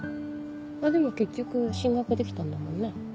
でも結局進学できたんだもんね？